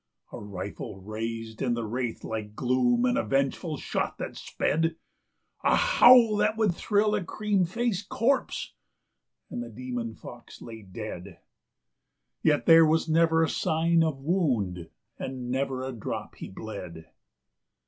"A rifle raised in the wraith like gloom, and a vengeful shot that sped; A howl that would thrill a cream faced corpse and the demon fox lay dead. ... Yet there was never a sign of wound, and never a drop he bled.